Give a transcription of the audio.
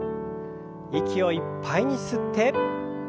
息をいっぱいに吸って。